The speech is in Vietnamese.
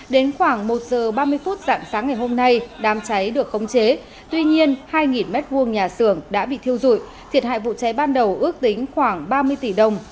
đến khoảng một h ba mươi sáng ngày hôm nay đám cháy được khống chế tuy nhiên hai m hai nhà xưởng đã bị thiêu rụi thiệt hại vụ cháy ban đầu ước tính khoảng ba mươi tỷ đồng